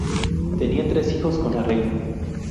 Tenía tres hijos con la reina.